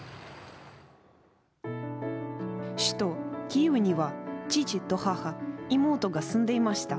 首都キーウには父と母、妹が住んでいました。